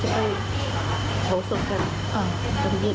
เขาก็มีความรู้ว่ามือหูแล้วเนี่ย